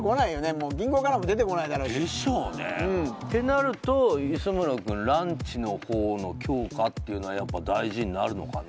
もう銀行からも出てこないだろうしでしょうねってなると磯村君ランチのほうの強化っていうのはやっぱ大事になるのかな